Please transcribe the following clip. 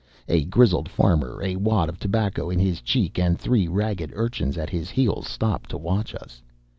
A grizzled farmer, a wad of tobacco in his cheek and three ragged urchins at his heels, stopped to watch us.